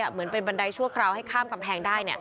เหมือนเป็นบันไดชั่วคราวให้ข้ามกำแพงได้